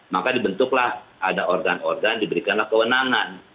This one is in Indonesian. maka dibentuklah ada organ organ diberikanlah kewenangan